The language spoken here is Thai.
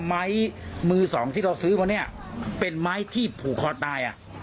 ไม้มือสองที่เราซื้อมาเนี่ยเป็นไม้ที่ผูกคอตาย